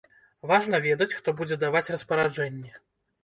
Важна ведаць, хто будзе даваць распараджэнні.